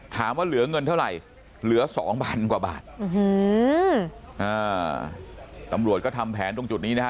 เหลือเงินเท่าไหร่เหลือสองพันกว่าบาทตำรวจก็ทำแผนตรงจุดนี้นะฮะ